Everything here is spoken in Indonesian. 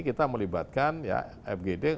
kita melibatkan ya fgd